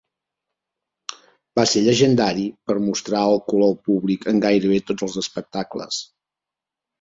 Va ser llegendari per mostrar el cul al públic en gairebé tots els espectacles.